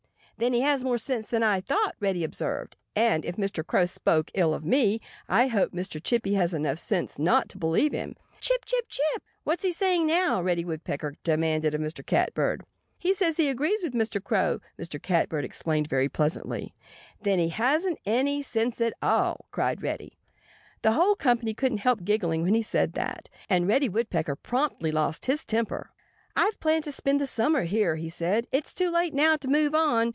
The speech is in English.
"Then he has more sense than I thought," Reddy observed. "And if Mr. Crow spoke ill of me I hope Mr. Chippy has enough sense not to believe him." "Chip, chip, chip, chip!" "What's he saying now?" Reddy Woodpecker demanded of Mr. Catbird. "He says he agrees with Mr. Crow," Mr. Catbird explained very pleasantly. "Then he hasn't any sense at all!" cried Reddy. The whole company couldn't help giggling when he said that. And Reddy Woodpecker promptly lost his temper. "I've planned to spend the summer here," he said. "It's too late now to move on.